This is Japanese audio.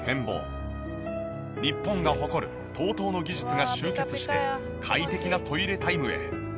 日本が誇るＴＯＴＯの技術が集結して快適なトイレタイムへ。